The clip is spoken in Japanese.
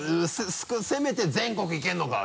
せめて「全国いけるのか？」